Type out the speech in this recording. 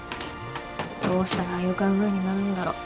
どうしたらああいう考えになるんだろ。